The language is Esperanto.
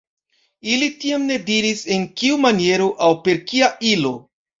Ili tiam ne diris, en kiu maniero aŭ per kia ilo.